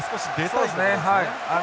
そうですねはい。